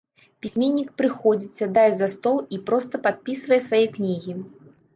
Пісьменнік прыходзіць, сядае за стол і проста падпісвае свае кнігі.